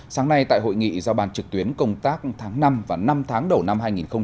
sáng nay tại hội nghị giao ban trực tuyến công tác tháng năm và năm tháng đầu năm hai nghìn hai mươi